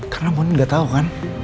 karena bu andin nggak tahu kan